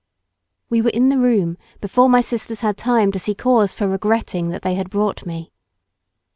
We were in the room before my sisters had time to see cause for regretting that they had brought me.